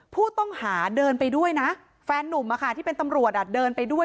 ผู้ต้องหาเดินไปด้วยนะแฟนนุ่มที่เป็นตำรวจเดินไปด้วย